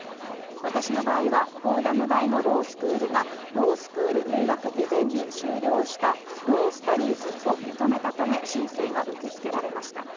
私の場合は、フォーダム大のロースクールが、ロースクール入学以前に修了したロースタディーズを認めたため、申請が受け付けられました。